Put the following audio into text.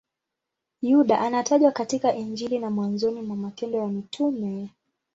Yuda anatajwa katika Injili na mwanzoni mwa Matendo ya Mitume.